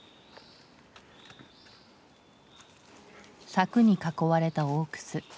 柵に囲われた大楠。